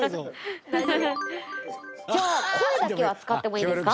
じゃあ声だけは使ってもいいですか？